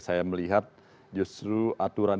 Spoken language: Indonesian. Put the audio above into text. saya melihat justru aturan